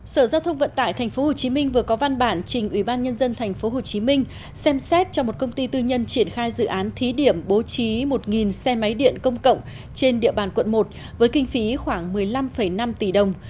sở giao thông vận tải tp hcm vừa có văn bản trình ubnd tp hcm xem xét cho một công ty tư nhân triển khai dự án thí điểm bố trí một xe máy điện công cộng trên địa bàn quận một với kinh phí khoảng một mươi năm năm tỷ đồng